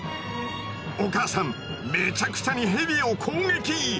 お母さんめちゃくちゃにヘビを攻撃！